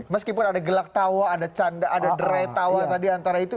meskipun ada gelak tawa ada dret tawa